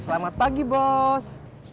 selamat pagi bos